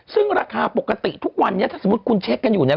ซึ่งราคาปกติทุกวันนี้ถ้าสมมุติคุณเช็คกันอยู่เนี่ย